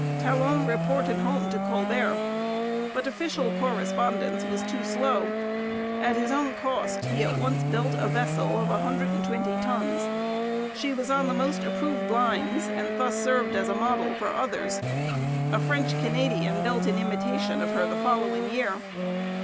Talon reported home to Colbert. But official correspondence was too slow. At his own cost he at once built a vessel of a hundred and twenty tons. She was on the most approved lines, and thus served as a model for others. A French Canadian built an imitation of her the following year.